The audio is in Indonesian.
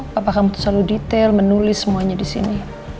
papa kamu selalu detail menulis semuanya disini